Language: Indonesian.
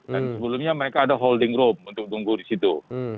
dan sebelumnya mereka ada holding room untuk tunggu di situ